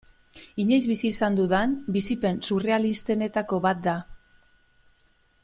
Inoiz bizi izan dudan bizipen surrealistenetako bat da.